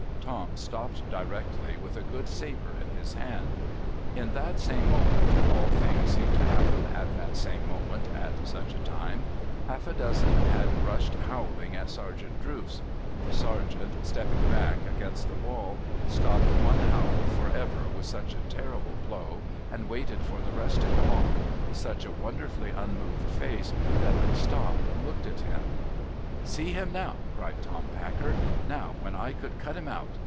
Tom stopped directly, with a good sabre in his hand. In that .same moment— all things seem to happen in that same moment, at such a time — half a dozen had rushed howling at Sergeant Drooce. The Sergeant, stepping back against the wall, stopi)ed one howl for ever with such a terrible blow, and waited for the rest to come on, with such a wonderfully unmoved face, that they stopped and looked at him. TAKEN PRISONERS 167 ' See him now !' cried Tom Paclcer. ' Now, when I could cut him out